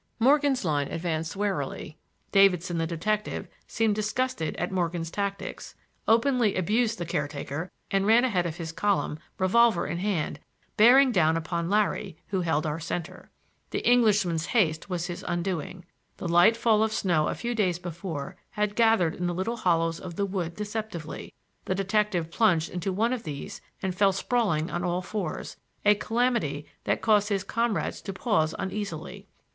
Morgan's line advanced warily. Davidson, the detective, seemed disgusted at Morgan's tactics, openly abused the caretaker, and ran ahead of his column, revolver in hand, bearing down upon Larry, who held our center. The Englishman's haste was his undoing. The light fall of snow a few days before had gathered in the little hollows of the wood deceptively. The detective plunged into one of these and fell sprawling on all fours,—a calamity that caused his comrades to pause uneasily.